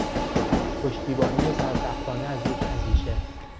پشتیبانی سرسختانه از یک اندیشه